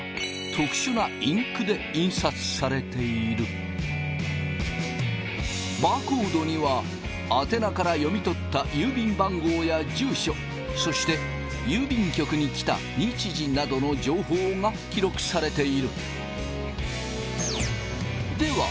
それはバーコードには宛名から読み取った郵便番号や住所そして郵便局に来た日時などの情報が記録されている。